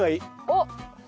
おっ！